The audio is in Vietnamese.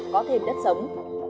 có thêm đất sống